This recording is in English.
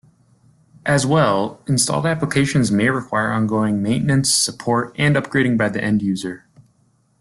As well, installed applications may require ongoing maintenance, support, and upgrading by the end-user.